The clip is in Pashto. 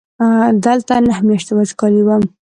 دلته نهه میاشتې وچکالي وه.